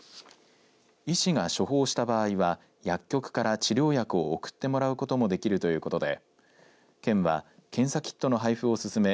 医師が処方した場合は薬局から治療薬を送ってもらうこともできるということで県は検査キットの配布を進め